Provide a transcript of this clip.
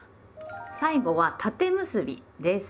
最後は「縦結び」です。